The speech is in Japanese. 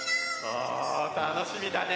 おたのしみだね！